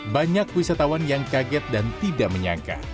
banyak wisatawan yang kaget dan tidak menyangka